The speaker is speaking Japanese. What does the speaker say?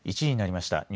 １時になりました。